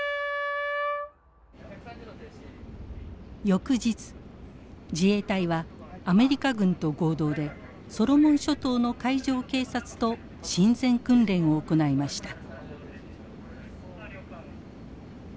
翌日自衛隊はアメリカ軍と合同でソロモン諸島の海上警察と親善訓練を行いました。